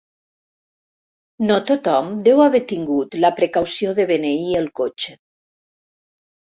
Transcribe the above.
No tothom deu haver tingut la precaució de beneir el cotxe.